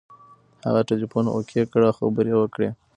هغه ټلیفون اوکې کړ او خبرې یې پیل کړې.